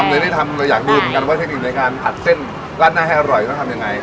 เลยได้ทำเลยอยากดูเหมือนกันว่าเทคนิคในการผัดเส้นราดหน้าให้อร่อยต้องทำยังไง